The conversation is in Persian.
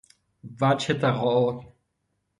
وجه تقاعد